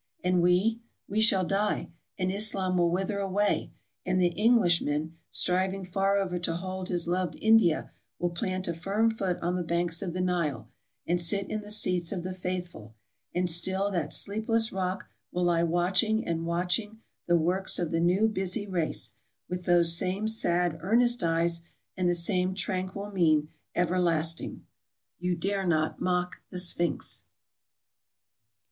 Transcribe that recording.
And we, we shall die, and Islam will wither away; and the English man, straining far over to hold his loved India, will plant a firm foot on the banks of the Nile and sit in the seats of the Faithful, and still that sleepless rock will lie watching and watching the works of the new busy race, with those same sad, earnest eyes, and the same tranquil mien everlast ing. You dare not mock the Sphinx.